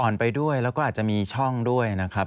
ไปด้วยแล้วก็อาจจะมีช่องด้วยนะครับ